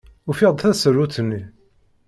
Ufiɣ-d tasarut-nni.